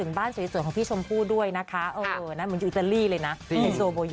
ความปั้นข้าวเหนียวจิ้มหูห